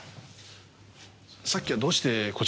さっきはどうしてこちらのお宅を？